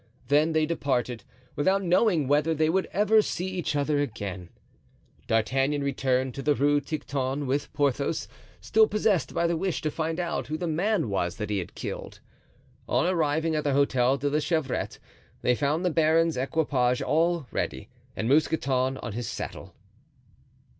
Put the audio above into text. Then they departed, without knowing whether they would ever see each other again. D'Artagnan returned to the Rue Tiquetonne with Porthos, still possessed by the wish to find out who the man was that he had killed. On arriving at the Hotel de la Chevrette they found the baron's equipage all ready and Mousqueton on his saddle.